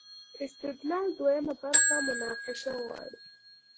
استدلال دویمه برخه مناقشه غواړي.